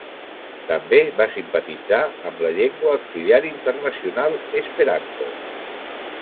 També va simpatitzar amb la llengua auxiliar internacional esperanto.